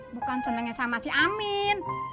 bukan senangnya sama si amin